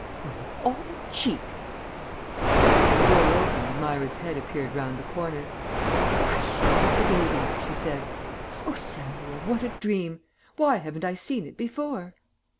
"Well, of all the cheek " The door opened and Myra's head appeared round the corner. "Hush! you'll wake the baby," she said. "Oh, Samuel, what a dream! Why haven't I seen it before?"